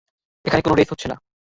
এখানে কোনো রেস হচ্ছে না।